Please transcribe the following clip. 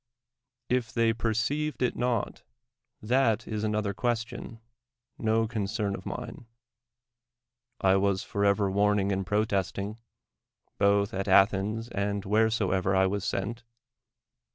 If they perceived it not, that is another ques tion, no concern of mine. I was forever warning and protesting, both at Athens and wheresoever I was sent.